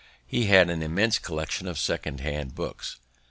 He had an immense collection of second hand books.